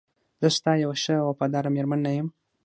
زه ستا یوه ښه او وفاداره میرمن نه یم؟